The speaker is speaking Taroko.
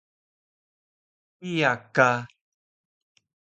kiya ka